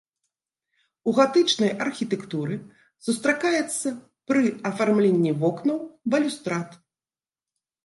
У гатычнай архітэктуры сустракаецца пры афармленні вокнаў, балюстрад.